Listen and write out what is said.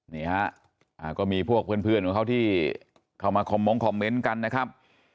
นี่ฮะก็มีพวกเพื่อนของเขาที่เข้ามาคอมมงคคอมเมนต์กันนะครับ